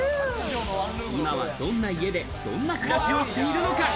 今はどんな家でどんな暮らしをしているのか？